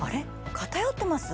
偏ってます？